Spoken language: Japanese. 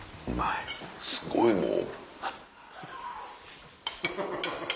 すごいもう。